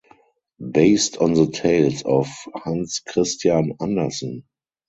Based on the tales of Hans Christian Andersen.